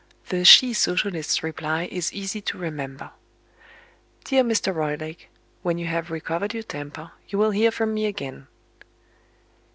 The she socialist's reply is easy to remember: "Dear Mr. Roylake, when you have recovered your temper, you will hear from me again."